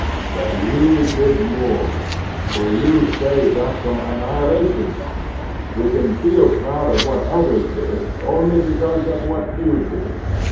But you did more, for you saved us from annihila tion. We can feel proud of what others did only because of what you did.